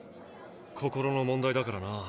心の問題だからな。